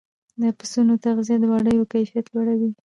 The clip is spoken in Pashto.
د پسونو تغذیه د وړیو کیفیت لوړوي.